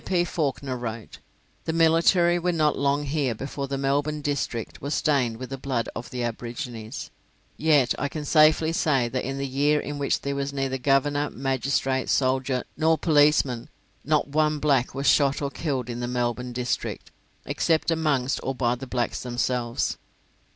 P. Fawkner wrote: "The military were not long here before the Melbourne district was stained with the blood of the aborigines, yet I can safely say that in the year in which there was neither governor, magistrate, soldier, nor policemen, not one black was shot or killed in the Melbourne district, except amongst or by the blacks themselves.